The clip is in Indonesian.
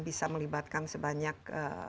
bisa melibatkan sebanyak